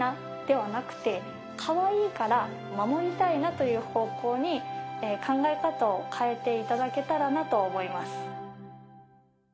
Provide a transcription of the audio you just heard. という方向に考え方を変えていただけたらなと思います。